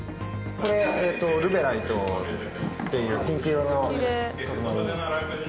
これルベライトっていうピンク色のトルマリンです